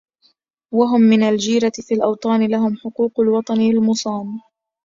وهم من الجيرة في الاوطان لهم حقوق الوطن المُصَانِ